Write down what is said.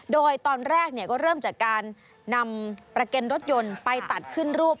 โดยตอนแรกก็เริ่มจากการนำประเคนรถยนต์ไปตัดขึ้นรูป